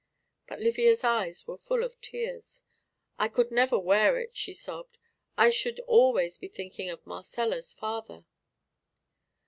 But Livia's eyes were full of tears, "I could never wear it," she sobbed; "I should always be thinking of Marcella's father."